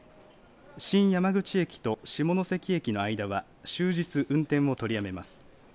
新山口駅と下関駅の間は終日、運転を取りやめます。